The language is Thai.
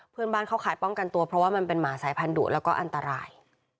เข้าข่ายป้องกันตัวเพราะว่ามันเป็นหมาสายพันธุแล้วก็อันตราย